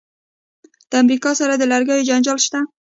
د امریکا سره د لرګیو جنجال شته.